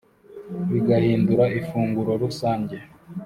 bigahinduka ifunguro rusange,